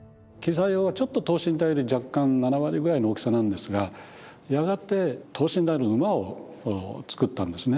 跪座俑はちょっと等身大より若干７割ぐらいの大きさなんですがやがて等身大の馬を作ったんですね。